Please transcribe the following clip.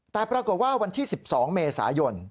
แต่ปรากฏว่าวันที่๑๒เมษายน